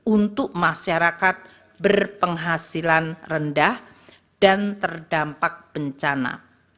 untuk masyarakat berpenghasilan rendah dan terdampak bencana